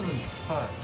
はい。